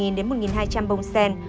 trà sen hồ tây có một hai trăm linh bông sen